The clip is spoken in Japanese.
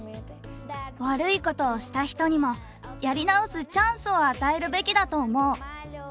悪いことをした人にもやり直すチャンスを与えるべきだと思う。